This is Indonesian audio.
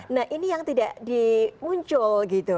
nah ini yang tidak muncul gitu